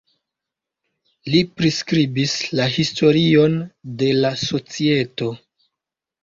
Li priskribis la historion de la societo.